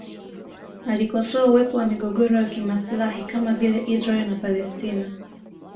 Alikosoa uwepo wa migogoro ya kimaslahi kama vile Israel na Palestina